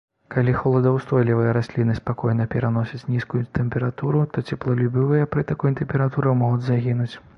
Калі холадаўстойлівыя расліны спакойна пераносяць нізкую тэмпературу, то цеплалюбівыя пры такой тэмпературы могуць загінуць.